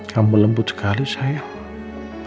kamu lembut sekali sayang